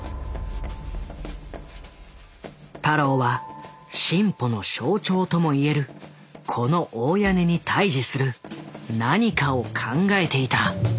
太郎は進歩の象徴ともいえるこの大屋根に対峙する何かを考えていた。